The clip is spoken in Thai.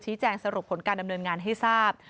แจ้งสรุปผลการดำเนินงานให้ทราบ